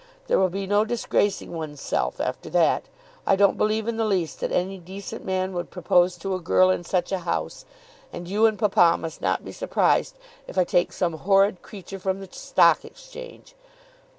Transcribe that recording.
There will be no disgracing one's self after that. I don't believe in the least that any decent man would propose to a girl in such a house, and you and papa must not be surprised if I take some horrid creature from the Stock Exchange.